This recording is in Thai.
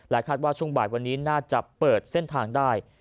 คาดว่าช่วงบ่ายวันนี้น่าจะเปิดเส้นทางได้